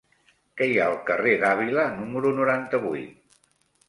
Què hi ha al carrer d'Àvila número noranta-vuit?